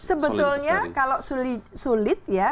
sebetulnya kalau sulit ya